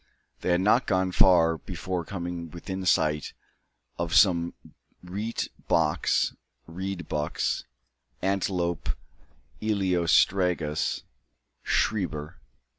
They had not gone far, before coming within sight of some reet boks (reed bucks, Antelope eleotragus, Schreber).